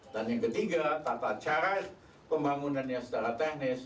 dan yang ketiga tata cara pembangunannya secara teknis